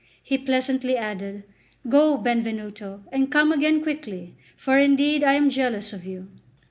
He pleasantly added: "Go, Benvenuto, and come again quickly, for indeed I am jealous of you."